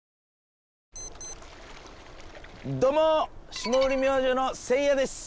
霜降り明星のせいやです。